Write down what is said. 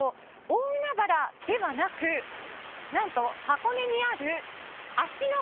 大海原ではなく何と箱根にある芦ノ